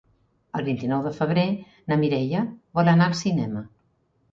El vint-i-nou de febrer na Mireia vol anar al cinema.